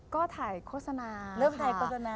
ก็ถ่ายโฆษณา